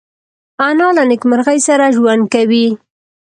انا له نیکمرغۍ سره ژوند کوي